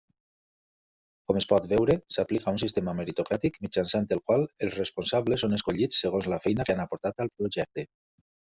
Com es pot veure, s'aplica un sistema meritocràtic mitjançant el qual els responsables són escollits segons la feina que han aportat al projecte.